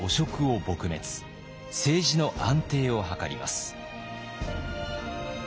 政治の安定を図ります。